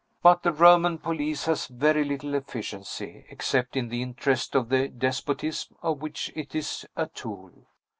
But the Roman police has very little efficiency, except in the interest of the despotism of which it is a tool.